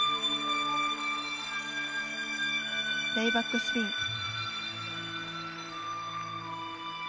レイバックスピン。